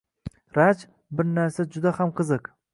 Raj, bir narsa juda ham qiziq